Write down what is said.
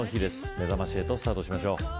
めざまし８スタートしましょう。